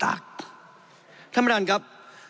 ท่านประธานครับ